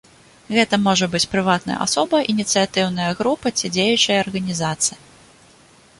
Гэта можа быць прыватная асоба, ініцыятыўная група ці дзеючая арганізацыя.